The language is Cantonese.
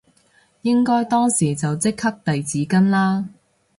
應該當時就即刻遞紙巾啦